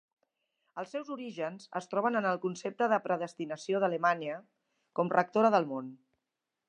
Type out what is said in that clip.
Els seus orígens es troben en el concepte de predestinació d'Alemanya com rectora del món.